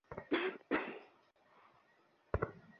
বিশাল মাদক চালান আটকে ক্যারিয়ার দাঁড়ালেও আশ মিটল না ওদের।